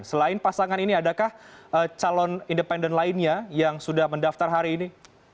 selain pasangan ini adakah calon independen lainnya yang sudah mendaftar hari ini